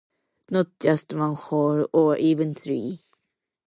Not just one hole, or even three.